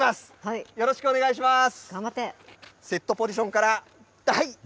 よろしくお願いします。